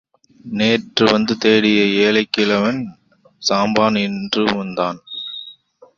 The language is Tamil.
நேற்று வந்து தேடிய ஏழைக்கிழவன் சாம்பான் இன்றும் வந்தான்.